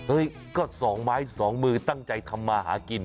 เฮ้ยก็สองไม้สองมือตั้งใจทำมาหากิน